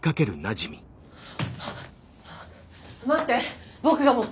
待って！